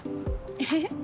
えっ？